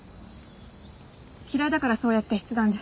嫌いだからそうやって筆談で。